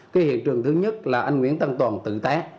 cái hiện trường thứ nhất là anh nguyễn tăng toàn tự tác